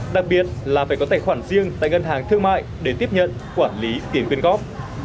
đặc biệt là phải có tài khoản riêng tại ngân hàng thương mại để tiếp nhận quản lý tiền quyên góp